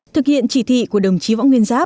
thực hiện chỉ thị của đồng chí võ nguyên giáp